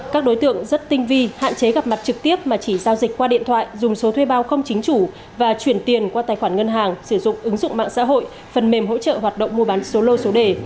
các đối tượng rất tinh vi hạn chế gặp mặt trực tiếp mà chỉ giao dịch qua điện thoại dùng số thuê bao không chính chủ và chuyển tiền qua tài khoản ngân hàng sử dụng ứng dụng mạng xã hội phần mềm hỗ trợ hoạt động mua bán số lô số đề